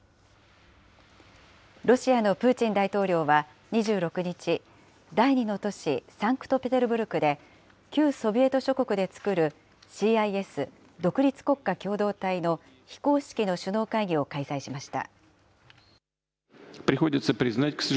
ロシアのプーチン大統領は２６日、第２の都市、サンクトペテルブルクで、旧ソビエト諸国で作るＣＩＳ・独立国家共同体の非公式の首脳会議を開催しました。